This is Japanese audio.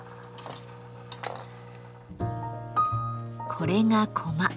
これがコマ。